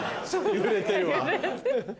揺れてる。